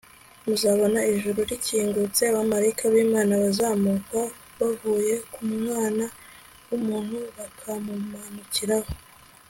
Muzabon ijuru rikingutse abamaraika blmana bazamuka bavuye ku Mwana wUmuntu bakamumanukiraho